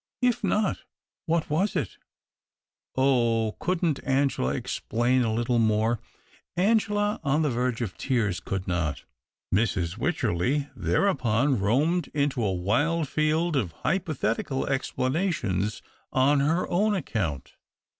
If not, what was it ? Oh ! couldn't Angela explain a little more ? Angela, on the verge of tears, could not. Mrs. Wycherley there upon roamed into a wild field of hypothetical explanations on her own account.